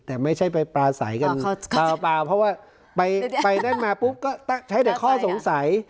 แต่ไม่ใช่ไปปลาใสกันเปล่าเพราะว่าไปนั่นมาปุ๊บก็ใช้แต่ข้อสงสัย